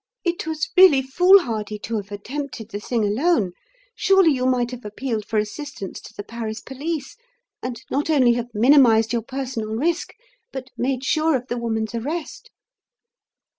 It was really foolhardy to have attempted the thing alone. Surely you might have appealed for assistance to the Paris police and not only have minimised your personal risk but made sure of the woman's arrest."